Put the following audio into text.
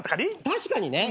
確かにね。